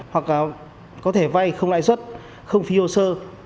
hoặc có thể vai không lại xuất không phi hồ sơ